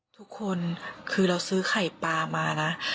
ทุกคนคือเราซื้อไข่ปลามานะ